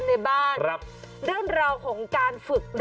หอยจดหมาย